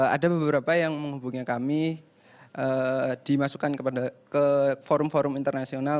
ada beberapa yang menghubungi kami dimasukkan ke forum forum internasional